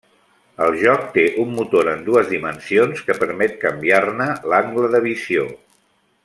El joc té un motor en dues dimensions que permet canviar-ne l'angle de visió.